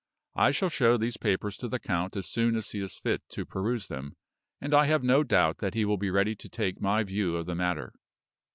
I shall show these papers to the count as soon as he is fit to peruse them, and I have no doubt that he will be ready to take my view of the matter."